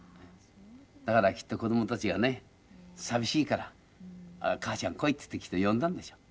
だからきっと子供たちがね寂しいから母ちゃん来いっていってきっと呼んだんでしょ。